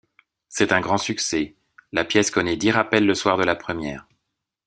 C'est un grand succès, la pièce connaît dix rappels le soir de la première.